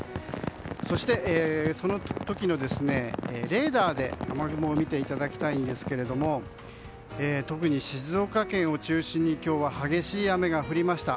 そして、その時のレーダーで雨雲を見ていただきたいんですが特に静岡県を中心に今日は激しい雨が降りました。